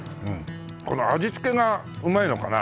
この味付けがうまいのかな？